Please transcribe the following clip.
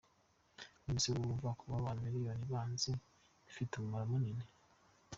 None se wowe urumva kuba abantu miliyoni banzi, bifite umumaro munini.